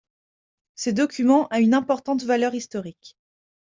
Ce document a une importante valeur historique.